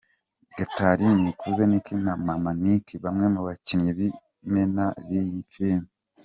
Gatari, Nikuze, Nick na Mama Nick bamwe mu bakinnyi b'imena b'iyi filime.